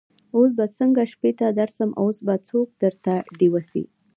اوس به څنګه شپې ته درسم اوس به څوک درته ډېوه سي